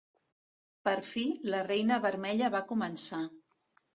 Per fi, la reina vermella va començar.